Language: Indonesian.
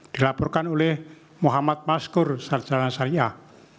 dilaporkan oleh muhammad maskur sarjana syariah